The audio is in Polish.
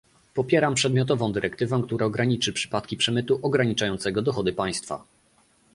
Popieram przedmiotową dyrektywę, która ograniczy przypadki przemytu ograniczającego dochody państwa